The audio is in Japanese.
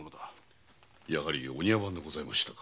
やはりお庭番でございましたか。